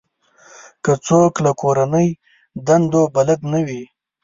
که څوک له کورنۍ دندو بلد نه وي.